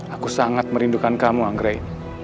aku sangat merindukan kamu anggre